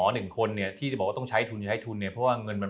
หนึ่งคนเนี่ยที่จะบอกว่าต้องใช้ทุนใช้ทุนเนี่ยเพราะว่าเงินมัน